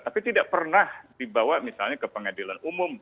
tapi tidak pernah dibawa misalnya ke pengadilan umum